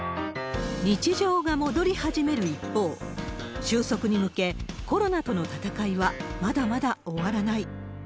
日常が戻り始める一方、収束に向け、コロナとの闘いはまだまだ終わらない。